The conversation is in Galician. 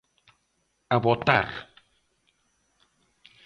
¡A votar!